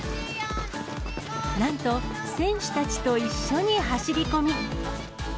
なんと、選手たちと一緒に走り込み。